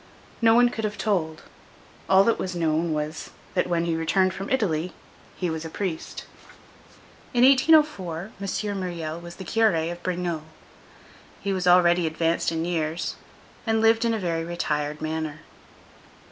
No one could have told: all that was known was, that when he returned from Italy he was a priest. In 1804, M. Myriel was the Curé of B—— [Brignolles]. He was already advanced in years, and lived in a very retired manner.